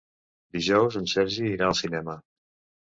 Dijous en Sergi irà al cinema.